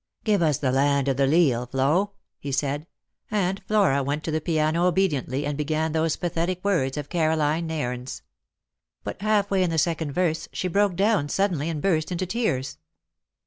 " Give us the ' Land of the Leal,' Flo," he said ; and Flora went to the piano obediently, and began those pathetic words of Caroline Nairne's. But half way in the second verse she broke down suddenly and burst into tears.